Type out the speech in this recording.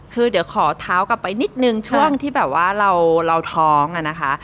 คือเดี๋ยวขอเท้ากลับไปนิดนึงช่วงที่แบบว่าเราท้องอะนะคะ